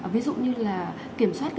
ví dụ như là kiểm soát